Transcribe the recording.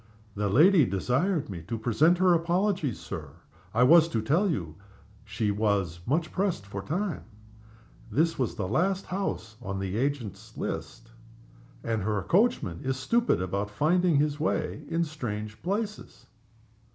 "The lady desired me to present her apologies, Sir. I was to tell you she was much pressed for time. This was the last house on the house agent's list, and her coachman is stupid about finding his way in strange places."